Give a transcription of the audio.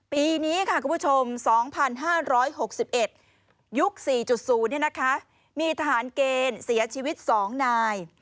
ปีนี้ค่ะคุณผู้ชม๒๕๖๑ยุค๔๐มีทหารเกณฑ์เสียชีวิต๒นาย